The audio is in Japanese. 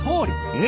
え？